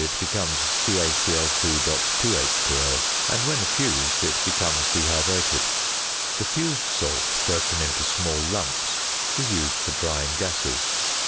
it becomes CaCl_.2H_O, and when fused it becomes dehydrated. The fused salt, broken into small lumps, is used for drying gases.